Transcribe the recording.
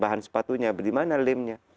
bahan sepatunya beli mana lemnya